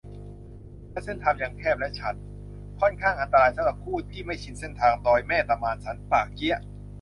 และเส้นทางยังแคบและชัน ค่อนข้างอันตรายสำหรับผู้ที่ไม่ชินเส้นทาง ดอยแม่ตะมาน สันป่าเกี๊ยะ